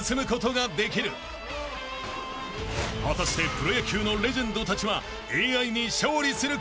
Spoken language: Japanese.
［果たしてプロ野球のレジェンドたちは］